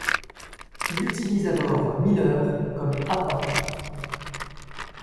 Il utilise alors Miller comme appât.